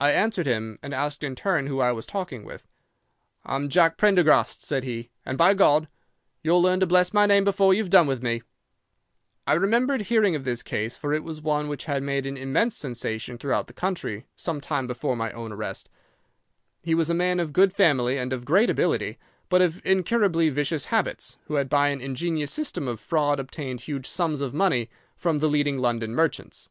"'I answered him, and asked in turn who I was talking with. "'"I'm Jack Prendergast," said he, "and by God! You'll learn to bless my name before you've done with me." "'I remembered hearing of his case, for it was one which had made an immense sensation throughout the country some time before my own arrest. He was a man of good family and of great ability, but of incurably vicious habits, who had by an ingenious system of fraud obtained huge sums of money from the leading London merchants.